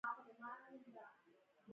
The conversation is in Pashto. ایا زه له خلکو لرې اوسم؟